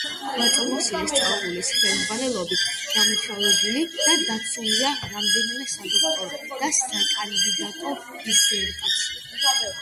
ღვაწლმოსილი სწავლულის ხელმძღვანელობით დამუშავებული და დაცულია რამდენიმე სადოქტორო და საკანდიდატო დისერტაცია.